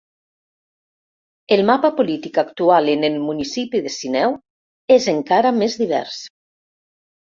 El mapa polític actual en el municipi de Sineu és encara més divers.